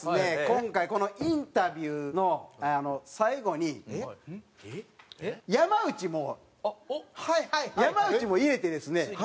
今回このインタビューの最後に山内も山内も入れてですね